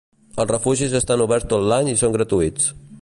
Els refugis estan oberts tot l'any i són gratuïts.